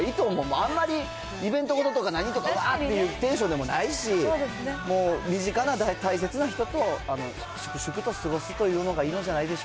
あんまり、イベント事とか、なんとか、わーっていうテンションでもないし、もう身近な大切な人と粛々と過ごすというのがいいのじゃないでし